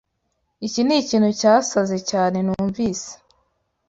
Iki nikintu cyasaze cyane numvise.